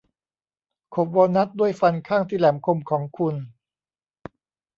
ขบวอลนัทด้วยฟันข้างที่แหลมคมของคุณ